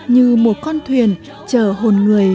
như một con thuyền chờ hồn người